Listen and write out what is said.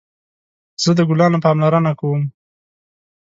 زه د ګلانو پاملرنه کوم